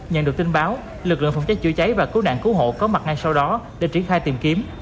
nhận được tin báo lực lượng phòng cháy chữa cháy và cứu nạn cứu hộ có mặt ngay sau đó để triển khai tìm kiếm